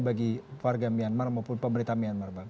bagi warga myanmar maupun pemerintah myanmar bang